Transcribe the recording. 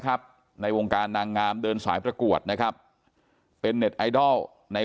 ครับในวงการนางงามเดินสายประกวดนะครับเป็นเน็ตไอดอลใน